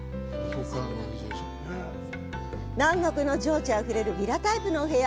南国の情緒あふれるヴィラタイプのお部屋。